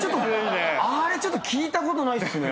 あれちょっと聞いたことないっすね。